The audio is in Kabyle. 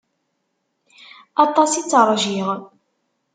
Aṭas i tt-rjiɣ.